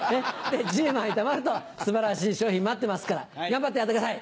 １０枚たまると素晴らしい賞品待ってますから頑張ってやってください。